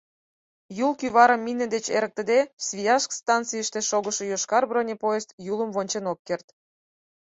Юл кӱварым мине деч эрыктыде, Свияжск станцийыште шогышо йошкар бронепоезд Юлым вончен ок керт.